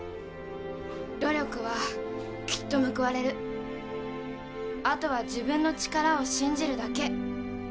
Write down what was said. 「努力はきっと報われる」「後は自分の力を信じるだけ」